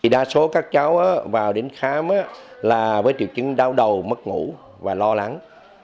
đa số các cháu vào đến khám là với triệu chứng đau đầu mất ngủ và lo lắng